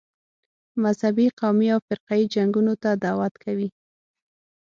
مذهبي، قومي او فرقه یي جنګونو ته دعوت کوي.